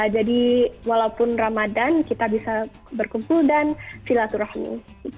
jadi walaupun ramadhan kita bisa berkumpul dan silaturahmi